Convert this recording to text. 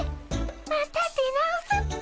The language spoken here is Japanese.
また出直すっピ。